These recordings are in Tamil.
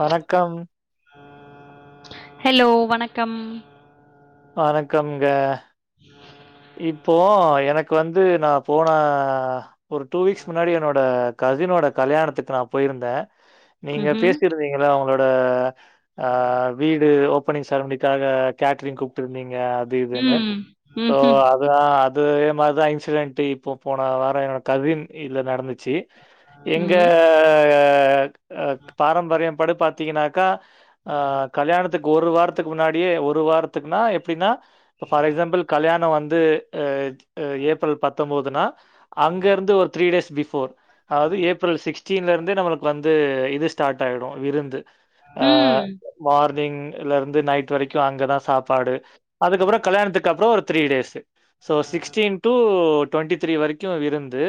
வணக்கம் ஹலோ வணக்கம் வணக்கம்ங்க இப்போ எனக்கு வந்து நா போன ஒரு டூ வீக்ஸ் முன்னாடி என்னோட கசினோட கல்யாணத்துக்கு நா போயிருந்தே நீங்க ம்ஹ்ம். பேசிருந்திங்களா அவங் ளோட அஹ் வீடு ஒப் ஓப்பனிங் சார்மனிக்காக கேட்ரிங் கூப்ட்டு நீங்க அது இதுன்னு ம். சோ ம்ஹ்ம். அதா அ அதே மாறிதான் இன்சிடென்ட் இப்போ போன வாரம் என்னோட கவின் இல்ல நடந்துச்சி எங்க ம். க அ பாரம்பரியம்படி பாத்தீங்கனாக்க ஆ கல்யாணத் துக்கு ஒரு வாரத்துக்கு முன்னாடியே ஒரு வாரத்துக்குனா எப்படினா ஃபார் எக்ஸாம்ப்ல் கல்யாணோ வந்து அ அ ஏப்ரல் பத்தொம்போதுனா அங்க இருந்து ஒரு த்ரீ டேஸ் பிஃ ஃபோர் அதாவுது ஏப்ரல் சிக்ஸ்டீன்ல இருந்தே நம்மளுக்கு வந்து இது ஸ்டார்ட் ஆயிடும் விருந்து ம். ஆஹ மார்னிங் இல்ல வந்து நைட் வரைக்கு அங்கதான் சாப்பாடு அதுக் அப்புறோ கல்யாணத்துக்கு அப்புறோ ஒரு three days so sixteen to twenty three வரைக்கு விருந்து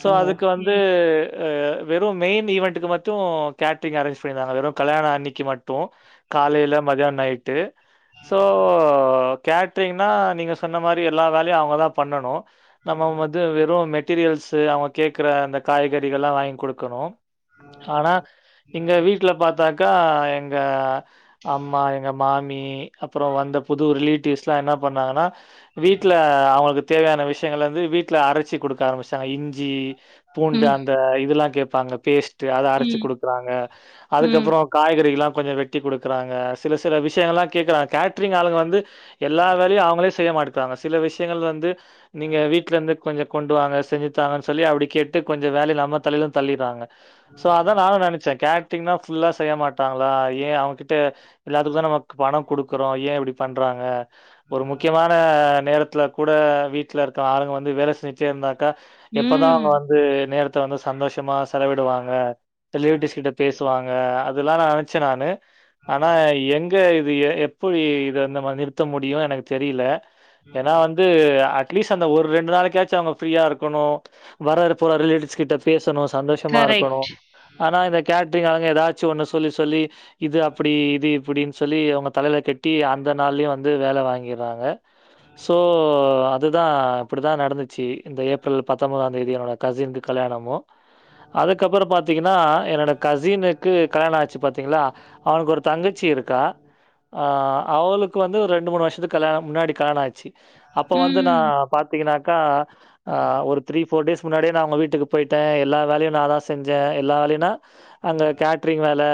சோ அதுக்கு ஓகே. வந்து அ வெறும் மெயின் ஈவன்டுக்கு மட்டு கேட்ரிங் அர்ரேஞ் பண்ணிருந்தாங்க வெறு கல்யாண அன்னிக்கு மட்டும் காலையில மதியானம் நைட்டு ஸோ கேட்ரிங்னா நீங்க சொன்ன மாறி எல்லா வேலையும் அவங்கதான் பண்ணணும் நம்ம வந்து வெறும் மெட்டீரியல்ஸு அவங்க கேக்குற அந்த காய்கறிகள்லா வாங்கி குடுக்கணும் ஆனா இங்க வீட்டுல பாத் த்தாக்கா எங்க அம்மா எங்க மாமி அப்புறோம் வந்த புது ரிலீ குட்டீஸ்லா என்ன பண்ணாங்கனா வீட்ல அவங்ளுக் தேவையான விஷயங்கள் வந்து வீட்டில அரச்சு குடுக்க ஆரம்பிச்சாடாங்க இஞ்சி பூண்டு ம். அந்த இதுலா கேப் ப்பங்க பேஸ் த்து அத அரச்சு ம். குடுக்குறாங்க ம். அதுக்கப்புறோம் காய்கறிகலாம் கொஞ்சோ வெட்டி குடுக்குறாங்க சில சில விஷயங்களா கேக்குறாங்க கேட்ரிங் ஆளுங்க வந்து எல்லா வேலையும் அவங்களே செய்ய மாட்டுகுறாங்க சில விஷ்யங்கள்ல வந்து நீங்க வீட்ல இருந்து கொஞ்ச கொண்டு வாங்க செஞ்சுத்தா சொல்லி அப்டி கேட்டு கொஞ்சம வேல நம்ம தலையில தள்ளிட்றாங்க சோ அதா நானும் நனைச்சேன் க டீன்னா ஃபுல்லா செய்ய மாட்டாங்களா ஏன் அவங்க கிட் ட எல்லாத்துக்குதா நம்மக் பணம் குடுக் குறோம் ஏன் இப்டி பண்றாங்க ஒரு முக் அ நேரத்ல கூட வீட்ல இருக்க ஆளுங்க வந்து வேல செஞ்சிட்டேந்தா கா எப்பதான் ம். அவங்க வந்து நேரத் த்த வந்து சந்தோஷமா செலவிடுவாங்க த லேடிஸ் கிட்ட பேஸ் சொல்வாங்க அதுல்லா நெனச்சி நானு ஆனா எங் இது எப்படி இதை வந்து நிறுத்த முடியும் எனக்கு தெரியில்ல ஏன்னா வந்து அட் அட்லீஸ்ட் அந்த ஒரு ரெண்டு நாளைக்காச்சு அவங்க ஃப்ரீயா இருக்கணு வர்ற போற ரிலேட்டிவ்ஸ் கிட்ட பேசணு சந்தோஷமா கரெக்ட். இருக்கணு ஆனா இந்த கேட் டரிங் ஆளுங்க எதாச்சு ஒன்னு சொல்லி சொல்லி இது அப்படி இது இப்படின்னு சொல்லி அவங்க தலையில கட்டி அந்த நாள்லயு வந்து வேலை வாங்கி சோ அதுதான் இப்படிதான் நடந்துச்சு இந்த ஏப்ரல் பத்தொன்பதாம் தேதி என்னோட கசின்க்கு கல்யாணமும் அதுக்கு அப்புறம் பாத்தீங்களா என்னோட கசின்க்கு கல்யாணோ ஆச்சு பாத்திங்களா அவனுக்கு ஒரு தங்கச்சி இருக்கா அஹ் அவளுக்கு வந்து ரெண்டு மூணு வருஷத்துக்கு களா முன்னாடி கலாண ஆச்சு அப்ப வந்து நா ம். பாத்திங்கனா க்கா ஆ ஒரு த்ரீ ஃபோர் டேஸ் முன்னாடியே நா அவங்க வீட்டுக்கு போயிட்டே எல்லா வேலயு நாந்தா செஞ்சே எல்லா வேலயுனா அங்க கேட்ரிங் வேலை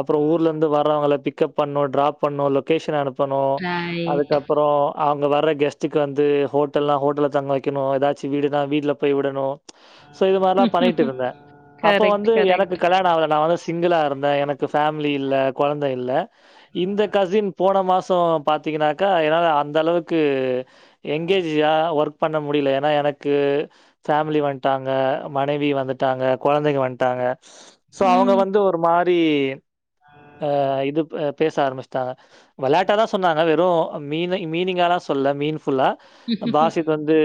அப்பற ஊர்ல இருந்து வர்றவங்களுக் பிக் அப் பண்ணு டிராப் பண்ணு லோகேஷன் அனுப் பனு ரைட். அதுக்கப்பற அங்க வர்ற கெஸ்ட்டுக்கு வந்து ஹோட்டல்லா ஹோட்டல்ல தங்க வெக்கணு எதாச்சி வீடுனா வீட்ல போய் விடணு சோ இது மாதிரிலா பண்ணிட்டு இருந்த அப்ப கரெக்ட், வந்து எனக்கு கரெக்ட். கல்யாண ஆவுல நா வந்து திங்களா இருந்தே எனக்கு பேமிலி இல்ல கொழந்த இல்ல இந்த கசின் போன மாஸ்சோம் பாத் திங்கனாக்கா என்னால அந்த அளவுக்கு எங்கே ஜா ஒர்க் பண்ண முடியல்ல ஏன்னா எனக்கு ஃபேமிலி வந்ட்டாங்க மனைவி வந்துட்டாங்க கொழந்தைங்க வந்ட்டாங்க சோ அவுங்க ம். வந்து ஒரு மார் தீ அ இது பப் பேச ஆரம்பச் தா விளையாட்டாதா சொன்னா எதோ மீன மீனிங்கால்லா சொல்ல மீன் புல்லா பாசித் வந்து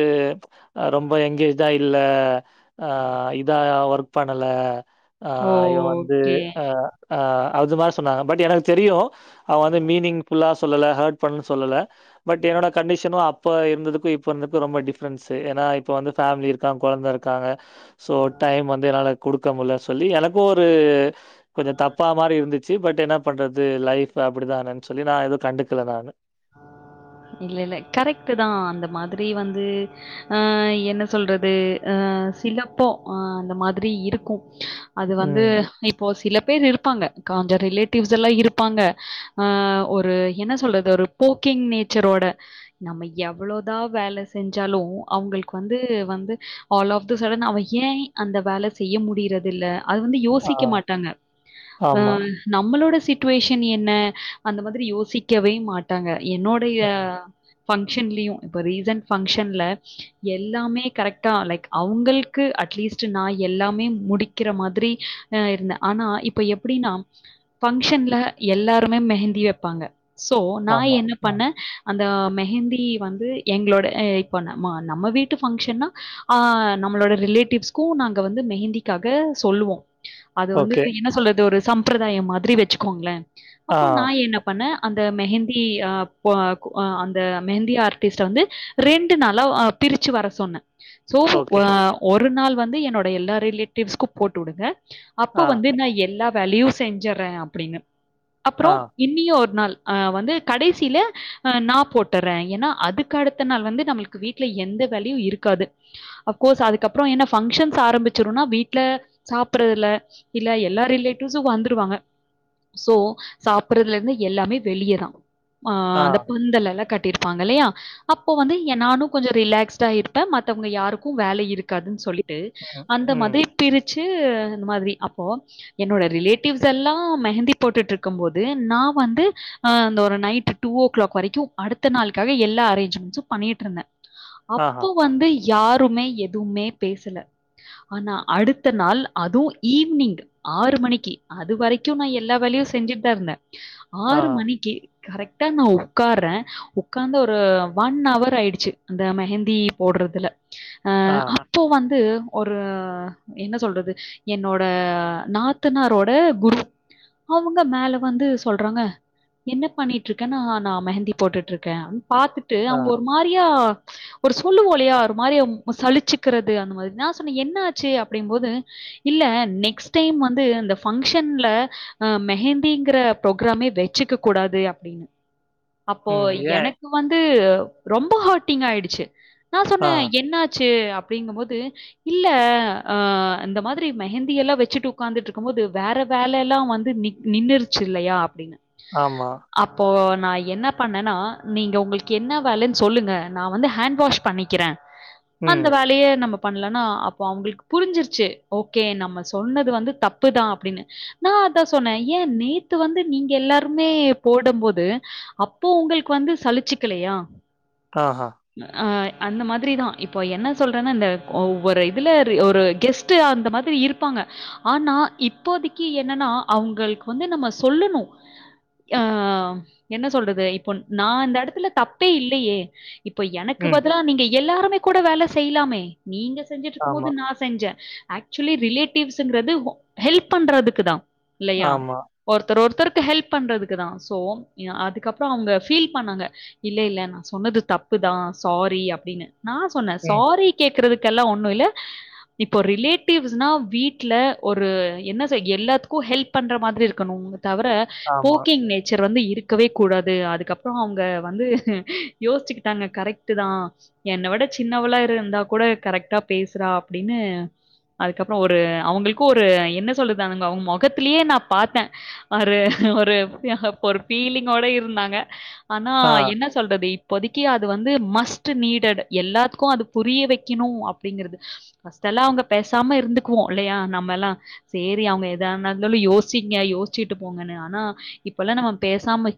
ரொம்ப எங்கேஜ்டாய் இல்ல அ இத அவர் பணல அ இவே வந்து ஓகே. அ அ அஞ்சுமாஸ் சொன்னாங்க பட் எனக்கு தெரியு அவ வந்து மீனிங் ஃபுல்லாஸ் சொல்லல அர்ட் பண்ணனு சொல்லல்ல பட் என்னோட கண்டிஷனு அப் அப்போ இருந்ததுக்கு இப்போ இருந்துக்கு ரொம்ப டிஃப்ரென்ஸு ஏன்னா இப்போ வந்து ஃபேமிலி இருக்காங் கொழந்த இருக்காங்க சோ டைம் வந்து என்னால கொடுக்க முல்ல சொல்லி எனக்கு ஒருஉ கொஞ்சோ தப்பா மாரி இருந்துச்சு பட் என்ன பண்றது லைப் அப்டிதானேன் சொல்லி நா ஏது கண்டுக துல நானு இல்ல இல்ல கரெக்டுதா அந்த மாதிரி வந்து அ என்ன சொல்றது அ சிலப்போ அ அந்த மாதிரி இருக்கோ அது வந்து ம். இப்போ சிலப் பேர் இருக்காங்க காஞ்ச ரிலேட்டிவ்ஸ் எல்லா இருப்பாங்க அ ஒரு என்ன சொல்றது ஒரு போக்கிங் நேச்சரோட நம்ம எவ்வளோதா வேல செஞ்சாலு அவுங்களுக் வந்து வந்து ஆல் ஆஃப் த சடன் அவ ஏன் அந்த வேல செய்ய முடியறதில்ல அது வந்து ஆ. யோசிக்க மாட்டாங்க அ ஆமா. நம்மளோட சி சுட்ச்வேஷன் என்ன அந்த மாதிரி யோசிக்கவே மாட் டாங்க என்னோடைய ம். பங்க்ஷன்லியு இப்ப ரீசன் பங்க்ஷன்ல எல்லாமே கரெக்டா லைக் அவுங்கள்க்கு அட்லீஸ்ட் நா எல்லாமே முடிக்கிற மாதிரி அ இருந்தே ஆனா இப்ப எப்புடின்னா பங்கஷன்ல எல்லாருமே மெஹந்தி வெப்பாங்க சோ நா ஆமா. என்ன ம். பண்ண அந்த மெஹந்தி வந்து எங்ளோட அ இப்போ நம்ம நம்ம வீட்டு ஃபங்க்ஷன்னா அ நம்மளோட ரிலேட்டிவ்ஸ்க்கு நாங்க வந்து மெஹந்திக்காக சொல்லுவோ அது வந்து ஓகே. என்ன சொல்றதொரு சம்பிரதாயம் மாரி வெச்சுக்கோங்ளே அப்போ ஆ. நா என்ன பண்ண அந்த மெஹன் பி அப்போ அ அந்த மெஹந்தி ஆர்ட்டிஸ்ட வந்து ரெண்டு நாளா அ பிரிச்சு வர சொன்ன சோ அ ஒரு நாள் வந்து என்னோட எல்லா ரிலேட்டிவ்ஸ்கு போட்டு விடுங்க அப்போ வந்து நா எல்லா வலியூ செஞ்சறே அப்டின்னு அப்றோ இன்னியு ஒரு நாள் ஆ வந்து கடைசீல அ நா போட்டர்ற ஏனா அதுக்கு அடுத்த நாள் வந்து நம்ளுக்கு வீட்ல எந்த வேலையு இருக்காது அஃப்கோஸ் அதுக்கப்றோ என்ன பங்க்ஷன்ஸ் ஆரம்பிச்சுருனா வீட்ல சாப்புறல இல்ல எல்லா ரிலேட்டிவ்ஸு வந்துருவாங்க சோ சாப்றதுலேந்து எல்லாமே வெளியதா ஆ அந்த பந்தலேலா கட்டி இருப்பாங்கில்லையா அப்ப வந்து நானு கொஞ்சோ ரிலாக்ஸ்டா இருப்பே மத்தவங்க யாருக்கு வேலை இருக்காதுனு சொல்லி டு அந்த மதி பிரிச் சு அந்த மாரி அப்போ என்னோட ரிலேட்டிவ்ஸ் எல்லா மெஹந்தி போட்டுட்ருக்கம் போது நா வந்து ஆ அந்த ஒரு நைட் டூ ஓ க்ளாக் வரைக்கு அடுத்த நாளுக்காக எல்லா அரேஞ்மெண்ட்ஸு பண்ணியிட்ருந்த அப்போ வந்து யாருமே எதுவ்மே பேசல ஆனா அடுத்த நாள் அதுவு ஈவ்னிங் ஆறு மணிக்கி அது வரைக்கு நா எல்லா வேலையு செஞ்சுட்தா இருந்த ஆறு மணிக்கி கரெக்ட்டா நா உக்காற்ற உக்காந்து ஒரு ஒன் அவர் ஆயிடுச்சு அந்த மெஹந்தி போட்றதுல ஆ அப்போ வந்து ஒரு என்ன சொல்றது என்னோட நாத்தனாரோட குரு அவுங்க மேல வந்து சொல்றாங்க என்னப் பண்ணிட்ருக்கனா நா மெஹந்தி போட்டுட்ருக்க பாத்துட்டு அவ்ங்க ஒரு மாரியா ஒரு சொல்லுவோ இல்லையா ஒரு மாரி அவ்ங் சழிச்சிக்கிறது அந்த மாரி நா சொன்ன என்ன ஆச்சு அப்டிம் போது இல்ல நெக்ஸ்ட் டைம் வந்து இந்த பங்க்ஷன்ல அ மெஹந்திங்கிற ப்ரோக்ராமே வெச்சுக்கக் கூடாது அப் அப்டினு அப்போ எனக்கு வந்து ரொம்ப ஹாட்டிங் ஆயிடுச்சு நா ஆ. சொன்ன என்ன ஆச் டு அப்டிங்கும்போது இல்ல அ இந்த மாதிரி மெஹந்தி எல்லா வெச்சுட்டு உக்காந்துட்ருக்கும் போது வேற வேலலா வந்து நின் நின்னுருச்சு இல்லையா அப்டினு ஆமா அப்போ நா என்ன பண்ணேனா நீங்க உங்களுக்கு என்ன வேலன்னு சொல்லுங்க நா வந்து ஹேண் வாஷ் பண்ணிக்கிற அந்த ம். வேலைய நம்ம பண்லனா அப்ப அவங்களுக்கு புரிஞ்சுருச்சு ஓகே நம்ம சொன்னது வந்து தப்புதா அப்டினு நா அதா சொன்னே ஏ நேத்து வந்து நீங்க எல்லாருமே போடம் போது அப்போ உங்களுக்கு வந்து சலிச்சுக்கலையா ஆஹா! ஆஹ் அந்த மாதிரிதா இப்போ என்ன சொல்றனா இந்த ஒவ்வொரு இதுல ஒரு கெஸ்டு அந்த மாதிரி இருப்பாங்க ஆனா இப்போதைக்கு என்னனா அவங்களுக்கு வந்து நம்ம சொல்லணு ஆ என்ன சொல்றது இப்போ நா இந்த இடத்துல தப்பே இல்லையே இப்ப எனக்கு ம். பதிலா நீங்க எல்லாருமே கூட வேல செய்லாமே நீங்க செய் செஞ்சுட்டு இருக்கும் ஆமா, போது நா செஞ்சே ஆக்சுவ்லி ரிலேட்டிவ்ஸுங்கிறது ஹொ ஹெல்ப் பண்றதுக்கு தா இல்லையா ஆமா. ஒருத்தர் ஒருத்தர் ஹெல்ப் பண்றது க்குதா சோ அதுக்கப்பறோ அவுங்க பீல் பண்ணாங்க இல்ல இல்ல நா சொன்னது தப்புதா சாரி அப்டின்னு நான் சொன்னே ம். சாரி கேக் இருகறதுகெல்லா ஒண்ணும் இல் இப்போ ரிலேட்டிவ்னா வீட்டல ஒரு என்ன எல்லாத்துக்கும் ஹெல்ப் பண்ற மாதிரி இருக்கணும் தவிர ஆமா. போக்கு வந்து இருக்கவே கூடாது அதுக்கப்பறோ அவுங்க வந்து யோசிச்சுக்கிட்டாங்க கரெக்ட் தான என்ன விட சின்னவளா இரு இருந்தா கூட கரெக்டா பேசுறா அப்டின்னு அதுக்கப்பறோ ஒரு அவுங்களுக்கும் ஒரு என்ன சொல்லுறது அவுங்க முகத்தலயே நா பாத்தே அ ஒரு ஒரு ஹப் ஒரு ஃபீலிங்கோட இருந்தாங்க ஆனா ஆ. என்ன சொல்றது இப்போதைக்கி அது வந்து மஸ்ட் நீடட் எல்லாத்துக்கோ அது புரிய வெக்கணு அப்டிங்கறது பஸ்ட் எல்லா அவுங்க பேசாம இருந்துக்குவோம் இல்லையா நம்ம எல்லா சரி அவுங்க எதனாலாலும் யோசிங்க யோசிச்சுட்டு போங்கன்னு ஆனா இப்பெல்லா நா பேசாம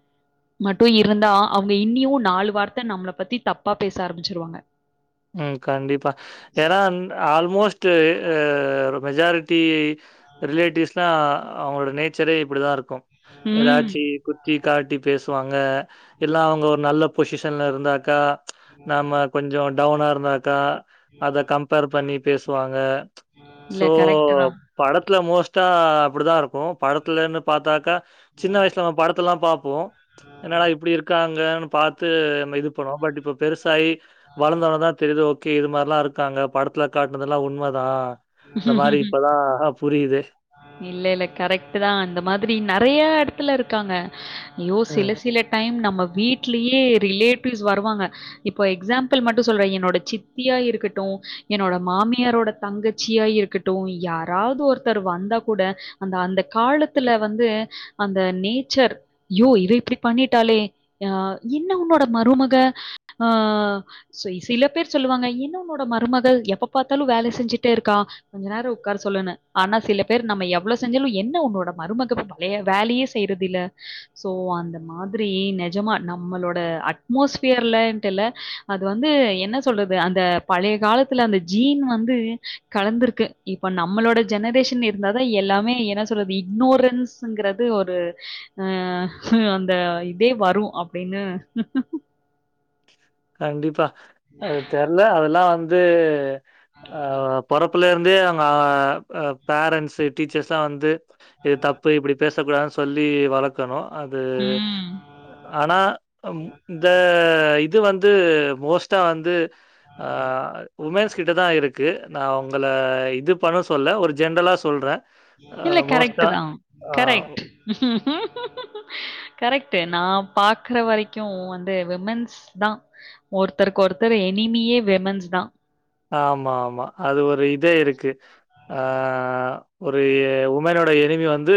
மட்டும் இருந்தா அவுங்க இன்னியு நாலு வார்த்த நம்மல பத்தி தப்பா பேச ஆரம்பிச்சிருவாங்க உம் கண்டிப்பா ஏன்னா ஆல்மோஸ்ட் ட்டு மெஜாரிட்டி ரிலேட்டிவ்ஸ்னா அவுங்க நேச்சரே இப்டிதா இருக் க்கு ம். எதாச்சி குத்தி காட்டி பேசுவாங்க எல்லாம் அவுங்க ஒரு நல்ல பொசிஷன்ல இருந்தாக்கா நாம கொஞ்சோ டவுனா இருந்தாக்கா அத கம்பேர் பண்ணி பேசுவாங்க சோ இல்ல கரெக்ட் தான். படத்துல மோஸ்ட் க்டா அப்டிதா இருக்கும் படத்துலேருந்து பாத்தாக்கா சின்ன வயசுல நம படத்துலாம் பா போ என்னடா இப்டி இருக்காங் ஏனு பாத்து நம்ம இது பண்ணுவோ பட் இப்ப பெருசாயி வளந்தோனதா தெரியுது ஓகே இது மார்லா இருக்காங்க படத்துல கேரக்ட்டர் அதுலா உண்மதா இல்ல இல்ல கரெக்ட்டு தா அந்த மாதிரி நெறையா எடத்துல இருக் க்காங்க ஐயோ ம். சில சில டைம் நம்ம வீட்லயே ரிலேட்டிவ்ஸ் வருவாங்க இப்ப எக்ஸாம்பிள் மட்டு சொல்றே என்னோட சித்தியா இருக்கட்டு என்னோட மாமியாரோட தங்கச் ச்சியா இருக்கட்டு யாராவ்து ஒருத்தர் வந்தா கூட அந்த அந்த காலத்துல வந்து அந்த நேச்சர் யோ இவ இப்டி பண்ணிட்டாளே அஹ் என்ன உன்னோட மருமக ஆஹ் செய் சில பேர் சொல்லுவாங்க என்ன உன்னோட மருமகள் எப்பப் பார்த்தாலு வேல செஞ்சு டேருக்கா கொஞ்ச நேரோ உக்கார சொல்லுனு ஆனா சில பேர் நம்ம எவ்ள செஞ்சாலு என்ன உன்னோட மருமக வேல வேலையே செய்றதில்ல சோ அந்த மாதிரி நெஜமா நம்மளோட அட்மோஸ்பியர்லன்ட்டு இல்ல அது வந்து என்ன சொல்றது அந்த பழைய காலத்துல அந்த ஜீன் வந்து கலந்துருக்கு இப்ப நம்மளோட ஜெனரேஷன் இருந்தாதா எல்லாமே என்ன சொல்றது இக்னோரன்ஸ்ங்கிறது ஒரு அ அந்த இதே வரு அப்டினு கண்டிப்பா அது தெர்ல அதெல்லா வந் து ஆ பொறப்புல இருந் து அவுங்க பேரண்ட்ஸ் டீச்சர்ஸ்லா வந்து இது தப்பு இப்புடி பேசக்குடாதுன் சொல்லி வளக்கணு அது ம். அனா இந்த இ இது வந்து மோஸ்ட்டா வந்து உமெஸ் கிட்ட தா இருக்கு நா உங்கள இது பண்னு சொல்ல ஒரு ஜென்ரலா சொல்றே இல்ல கரெக்ட்டு தா கரெக்ட் கரெக்ட் நா பாக்ற வரக்கு வந்து விமன்ஸ் தா ஒருத்தருக் கொருத்தவே னிமியே விமன்ஸ் தா ஆமா ஆமா அது ஒரு இதே இருக்கு ஆஹ ஒரு உமனோ ப்ப எனிமி வந்து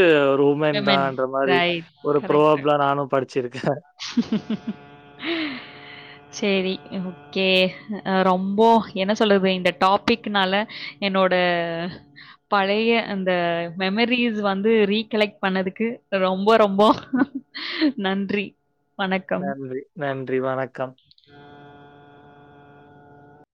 விமன். உமென்தான்றமாரி ரைட். ஒரு கரெக்ட்டு. ப்ரோஅப்ல நானு படி சேரி ஓகே ரொம்போ என சொல்றது இந்த டாப்பிக்னால என்னோட பழைய அந்த மெமரிஸ் வந்து ரீகலெக்ட் பண்ணதுக்கு ரொம்போ ரொம்போ நன்றி வணக்கம். நன்றி நன்றி வணக்கம்